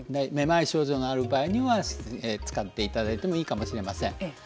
めまい症状のある場合には使っていただいてもいいかもしれません。